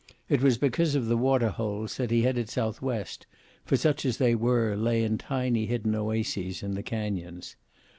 It was because of the water holes that he headed southwest, for such as they were they lay in tiny hidden oases in the canyons.